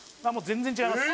全然違います